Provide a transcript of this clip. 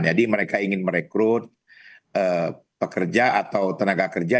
jadi mereka ingin merekrut pekerja atau tenaga kerja